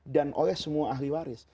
dan oleh semua ahli waris